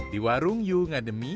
di warung yunga demi